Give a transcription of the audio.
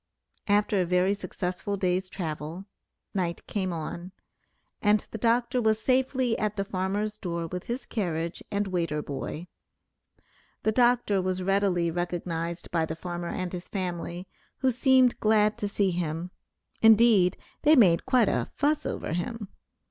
After a very successful day's travel, night came on, and the doctor was safely at the farmer's door with his carriage and waiter boy; the doctor was readily recognized by the farmer and his family, who seemed glad to see him; indeed, they made quite a "fuss" over him.